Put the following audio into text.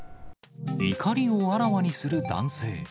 怒りをあらわにする男性。